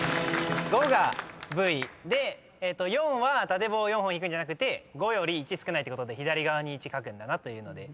５が「Ｖ」で４は縦棒４本いくんじゃなくて５より１少ないってことで左側に１書くんだなというので。